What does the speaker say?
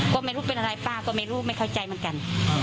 ก็ไม่รู้เป็นอะไรป้าก็ไม่รู้ไม่เข้าใจเหมือนกัน